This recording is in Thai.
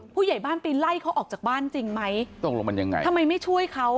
ผู้ใหญ่บ้านไปไล่เขาออกจากบ้านจริงไหมทำไมไม่ช่วยเขา